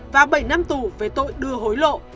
và bảy năm tù về tội đưa hối lộ